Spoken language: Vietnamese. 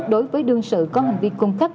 đối với đương sự có hành vi cung cấp